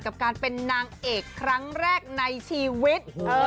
กับการเป็นนางเอกครั้งแรกในชีวิต